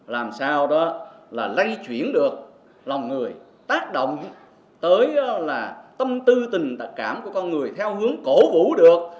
làm sao đó là lây chuyển được lòng người tác động tới là tâm tư tình cảm của con người theo hướng cổ vũ được